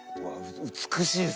美しいです